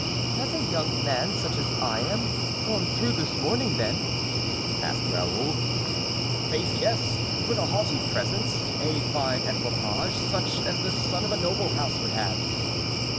"Has a young man, such as I am, gone through this morning, then?" asked Raoul. "Faith, yes, with a haughty presence, a fine equipage; such as the son of a noble house would have."